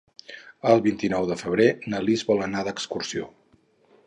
El vint-i-nou de febrer na Lis vol anar d'excursió.